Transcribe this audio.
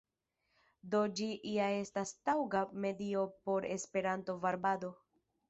Do ĝi ja estas taŭga medio por Esperanto-varbado.